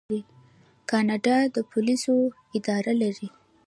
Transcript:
کاناډا د پولیسو اداره لري.